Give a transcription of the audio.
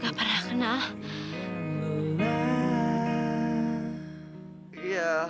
gak pernah kenal